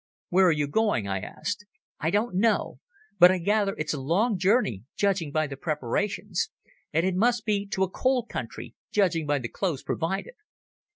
"Where are you going?" I asked. "I don't know. But I gather it's a long journey, judging by the preparations. And it must be to a cold country, judging by the clothes provided."